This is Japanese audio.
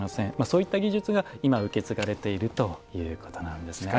そういった技術が今受け継がれているということなんですね。